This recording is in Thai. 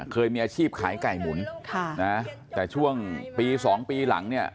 เคยมีอาชีพขายไก่หมุนค่ะนะแต่ช่วงปีสองปีหลังเนี่ย